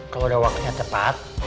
kalau udah waktunya tepat